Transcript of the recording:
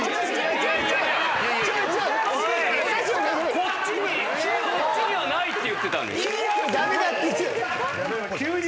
こっちにはないって言ってたのに！